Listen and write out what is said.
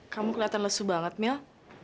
kamu kelihatan lesu banget mil